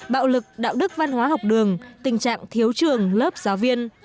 bạo lực đạo đức văn hóa học đường tình trạng thiếu trường lớp giáo viên